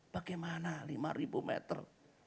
bagaimana lima ribu meter